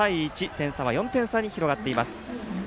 点差は４点差に広がっています。